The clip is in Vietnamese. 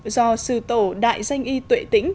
do sư tổ đại danh y tuệ tĩnh